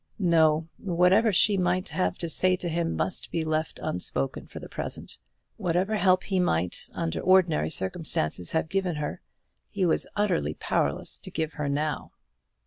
No; whatever she might have to say to him must be left unspoken for the present. Whatever help he might, under ordinary circumstances, have given her, he was utterly powerless to give her now.